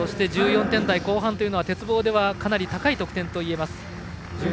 １４点台後半というのは鉄棒ではかなり高い得点。１４．６３３。